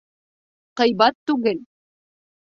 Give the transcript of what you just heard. — Ҡыйбат түгел.